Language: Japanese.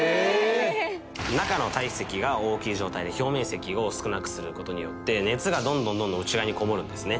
中の体積が大きい状態で表面積を少なくする事によって熱がどんどんどんどん内側にこもるんですね。